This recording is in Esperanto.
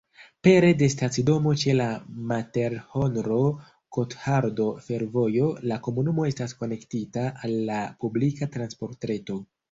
Pere de stacidomo ĉe la Materhonro-Gothardo-Fervojo la komunumo estas konektita al la publika transportreto.